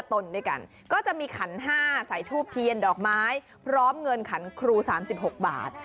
ต้นด้วยกันก็จะมีขัน๕ใส่ทูบเทียนดอกไม้พร้อมเงินขันครู๓๖บาท